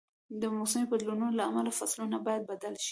د موسمي بدلونونو له امله فصلونه باید بدل شي.